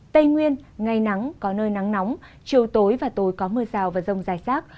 tây nguyên ngày nắng có nơi nắng nóng chiều tối và tối có mưa rào và rông dài rác